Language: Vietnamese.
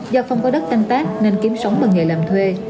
do không có đất canh tác nên kiếm sống bằng nghề làm thuê